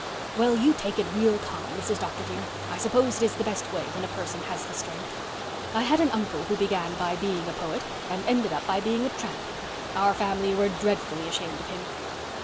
"Well, you take it real calm, Mrs. Dr. dear. I suppose it is the best way, when a person has the strength. I had an uncle who began by being a poet and ended up by being a tramp. Our family were dreadfully ashamed of him."